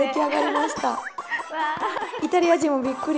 イタリア人もびっくり。